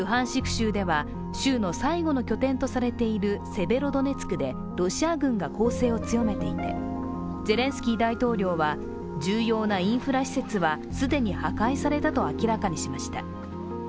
州では、州の最後の拠点とされているセベロドネツクでロシア軍が攻勢を強めていて、ゼレンスキー大統領は、重要なインフラ施設は既に破壊されたと明らかにしました。